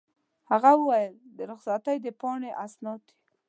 هغه وویل: د رخصتۍ د پاڼې اسناد دي.